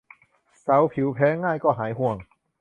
สาวผิวแพ้ง่ายก็หายห่วง